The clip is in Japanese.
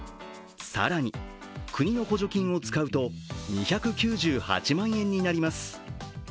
更に国の補助金を使うと２９８万円になります。